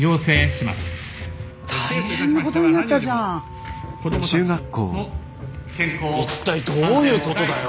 一体どういうことだよ。